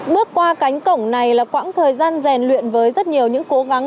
bước qua cánh cổng này là quãng thời gian rèn luyện với rất nhiều những cố gắng